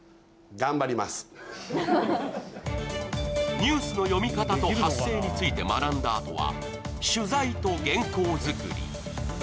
ニュースの読み方と発声について学んだあとは、取材と原稿作り。